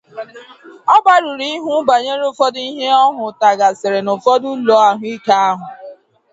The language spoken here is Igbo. Ọ gbarụrụ ihu banyere ụfọdụ ihe ọ hụtagasịrị n'ụfọdụ ụlọ ahụike ahụ